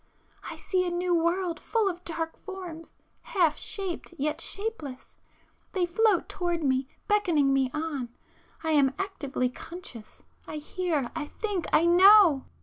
... I see a new world full of dark forms, half shaped yet shapeless!—they float towards me, beckoning me on. I am actively conscious—I hear, I think, I know!